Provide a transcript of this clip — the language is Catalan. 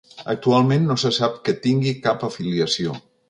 Actualment, no se sap que tingui cap afiliació.